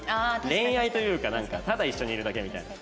恋愛というよりかただ一緒にいるだけみたいな。